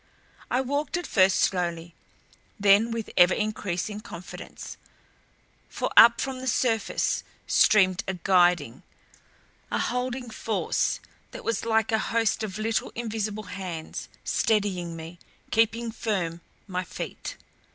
I walked at first slowly, then with ever increasing confidence, for up from the surface streamed a guiding, a holding force, that was like a host of little invisible hands, steadying me, keeping firm my feet.